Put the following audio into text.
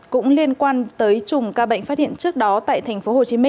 cũng liên quan tới chùm ca bệnh phát hiện trước đó tại tp hcm